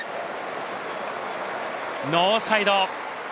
ノーサイド。